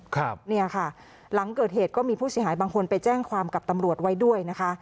ครับเนี่ยค่ะหลังเกิดเหตุก็มีผู้เสียหายบางคนไปแจ้งความกับตำรวจไว้ด้วยนะคะ